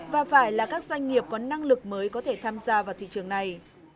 và phải là các doanh nghiệp có năng lực mới có thể tham gia vào thị trường này